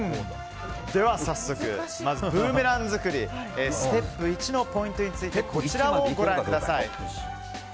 では早速まずはブーメラン作りステップ１のポイントについてこちらをご覧ください。